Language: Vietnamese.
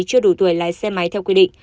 chưa đủ tuổi lái xe máy theo quy định